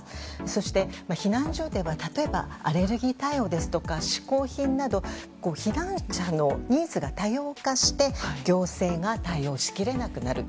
そして避難所では例えばアレルギー対応ですとか嗜好品など避難者のニーズが多様化して行政が対応しきれなくなる。